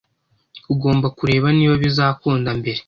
Ugomba kureba niba bizakunda mbere